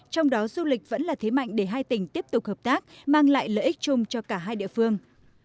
trong đó du lịch vẫn là thế mạnh để hai tỉnh tiếp tục hợp tác mang lại lợi ích chung cho cả hai địa phương